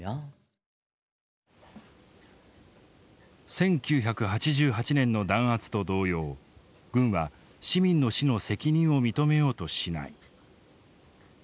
１９８８年の弾圧と同様軍は市民の死の責任を認めようとしない。